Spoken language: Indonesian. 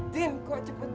tin kok cepet bang